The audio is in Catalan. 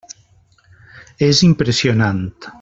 És impressionant.